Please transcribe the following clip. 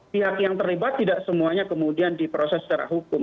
pihak yang terlibat tidak semuanya kemudian diproses secara hukum